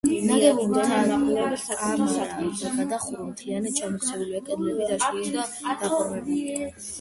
ნაგებობის თაღ-კამარა და გადახურვა მთლიანად ჩამოქცეულია, კედლები დაშლილი და დეფორმირებულია.